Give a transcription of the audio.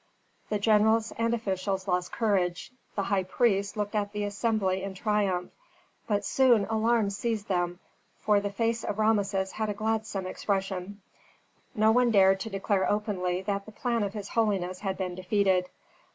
The generals and officials lost courage, the high priests looked at the assembly in triumph, but soon alarm seized them, for the face of Rameses had a gladsome expression. No one dared to declare openly that the plan of his holiness had been defeated.